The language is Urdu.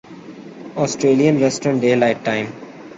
Australian Western daylight time